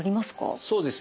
そうですね。